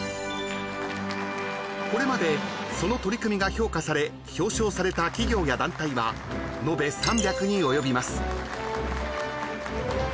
［これまでその取り組みが評価され表彰された企業や団体は延べ３００に及びます］